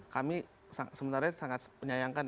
kami sebenarnya sangat menyayangkan